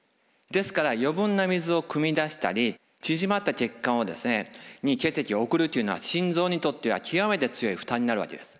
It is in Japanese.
ですから余分な水をくみ出したり縮まった血管に血液を送るというのは心臓にとっては極めて強い負担になるわけです。